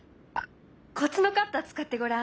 こっちのカッター使ってごらん。